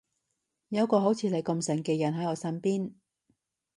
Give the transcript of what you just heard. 有個好似你咁醒嘅人喺我身邊